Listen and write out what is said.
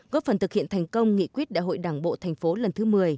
góp phần thực hiện thành công nghị quyết đại hội đảng bộ tp hcm lần thứ một mươi